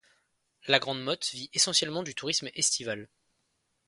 La Grande-Motte vit essentiellement du tourisme estival.